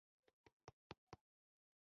تورک د تاوېدو ځواک دی.